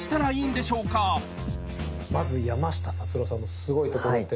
まず山下達郎さんのスゴいところって